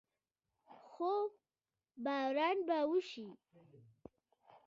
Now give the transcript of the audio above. هو، باران به وشي